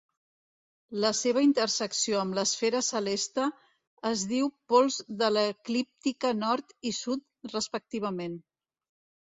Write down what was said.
La seva intersecció amb l'esfera celeste es diu pols de l'eclíptica nord i sud respectivament.